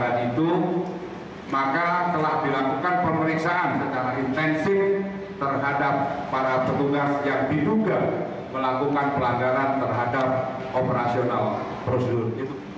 dengan itu maka telah dilakukan pemeriksaan secara intensif terhadap para petugas yang diduga melakukan pelanggaran terhadap operasional prosedur